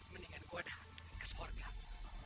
mendingan gua dah ke sport lah